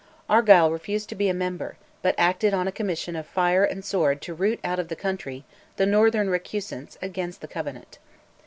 Argyll refused to be a member, but acted on a commission of fire and sword "to root out of the country" the northern recusants against the Covenant.